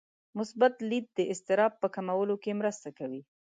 مثبت لید د اضطراب په کمولو کې مرسته کوي.